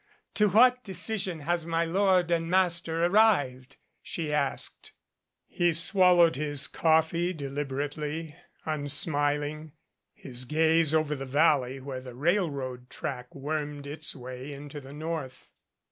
To what decision has my lord and master arrived?" she asked. ' He swallowed his coffee deliberately, unsmiling, his gaze over the valley where the railroad track wormed its way into the North.